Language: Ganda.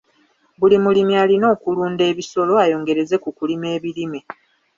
Buli mulimi alina okulunda ebisolo ayongereze ku kulima ebirime.